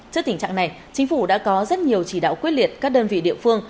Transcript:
trước tình trạng này chính phủ đã có rất nhiều chỉ đạo quyết liệt các đơn vị địa phương